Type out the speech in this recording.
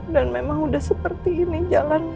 dan memang udah seperti ini jalannya